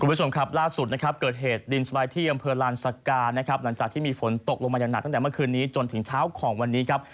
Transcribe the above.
คุณผู้ชมครับล่าสุดนะครับเกิดเหตุาูดนี้หลังจากที่มีฝนตกลงมาอย่างหนักมาสุดถึงเช้าของวันนี้ครับ